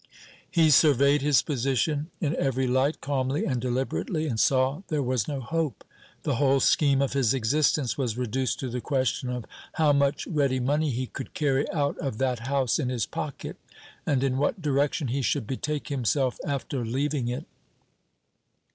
He surveyed his position in every light, calmly and deliberately, and saw there was no hope. The whole scheme of his existence was reduced to the question of how much ready money he could carry out of that house in his pocket, and in what direction he should betake himself after leaving it.